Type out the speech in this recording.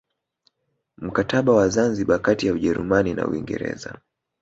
Mkataba wa Zanzibar kati ya Ujerumani na Uingereza